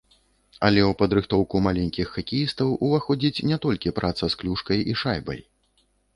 Але ў падрыхтоўку маленькіх хакеістаў уваходзіць не толькі праца з клюшкай і шайбай.